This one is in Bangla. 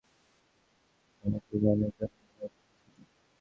ভগবানের জন্য, আমার কথা শুনুন।